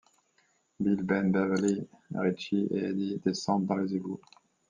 Bill, Ben, Beverly, Richie et Eddie descendent dans les égouts.